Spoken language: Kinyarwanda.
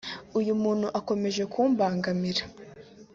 uyu muntu akomeje kumbangamira”